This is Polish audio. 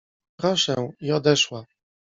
— Proszę — i odeszła.